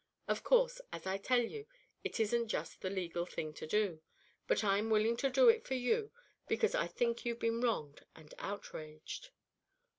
Of course, as I tell you, it isn't just the legal thing to do, but I'm willing to do it for you because I think you've been wronged and outraged."